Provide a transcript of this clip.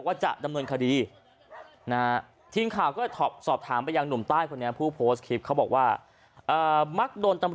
สดใจก็หน่อยมากนิดนึง